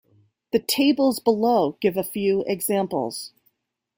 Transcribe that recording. The tables below give a few examples.